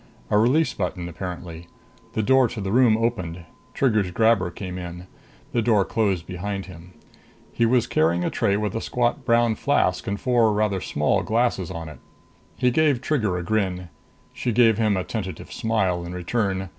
A release button apparently. The door to the room opened. Trigger's grabber came in. The door closed behind him. He was carrying a tray with a squat brown flask and four rather small glasses on it. He gave Trigger a grin. She gave him a tentative smile in return.